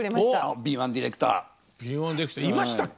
敏腕ディレクターいましたっけ